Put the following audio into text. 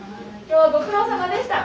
今日はご苦労さまでした。